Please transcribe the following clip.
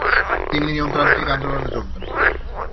তিনি নিয়মতান্ত্রিক আন্দোলনে যােগ দেন।